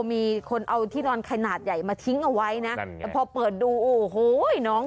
มีคนเอาที่นอนขนาดใหญ่มาทิ้งเอาไว้นะแต่พอเปิดดูโอ้โหน้อง